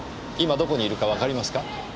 今どこにいるかわかりますか？